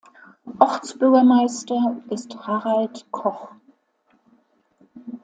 Ortsbürgermeister ist Harald Koch.